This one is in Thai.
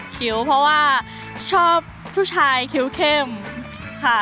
คิ้วเพราะว่าชอบผู้ชายคิ้วเข้มค่ะ